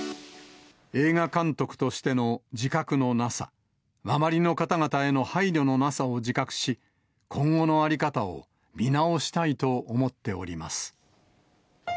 映画監督としての自覚のなさ、周りの方々への配慮のなさを自覚し、今後の在り方を見直したいと思っております。